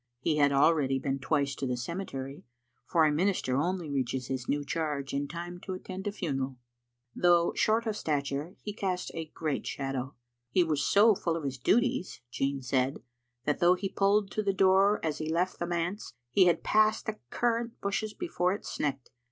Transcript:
He had already been twice to the cemetery, for a minister only reaches his new charge in time to attend a funeral. Though short of stature he cast a great shadow. He was so full of his duties, Jean said, that though he pulled to the door as he left the manse, he had passed the cur rant bushes before it snecked.